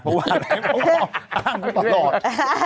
เพราะว่าอะไรมาฟ้อง